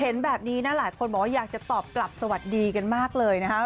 เห็นแบบนี้นะหลายคนบอกว่าอยากจะตอบกลับสวัสดีกันมากเลยนะคะ